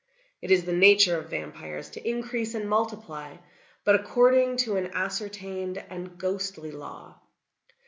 It is the nature of vampires to increase and multiply, but according to an ascertained and ghostly law.